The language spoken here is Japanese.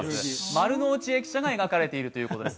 丸の内駅舎が描かれているということです。